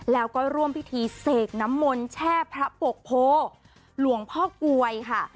แล้วก็ร่วมพิธีเสกน้ำมนต์แช่พระปกโพหลวงพ่อกลวยค่ะ